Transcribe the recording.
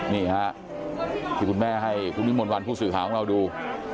นี่ค่ะที่คุณแม่ให้ทุกวันผู้สื่อขาของเราดู